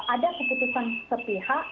ada keputusan sepihak